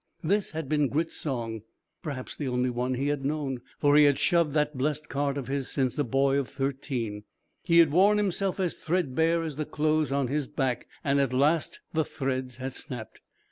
This had been Grit's song; perhaps the only one he had known, for he had shoved that blest cart of his since a boy of thirteen; he had worn himself as threadbare as the clothes on his back, and at last the threads had snapped.